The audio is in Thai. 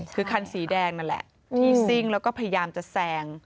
คือคันสีแดงนั่นแหละที่ซิ่งแล้วก็พยายามจะแซง